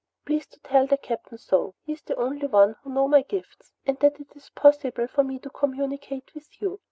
Please to tell the Captain so; he is the only one to know of my gifts and that it is possible for me to communicate with you.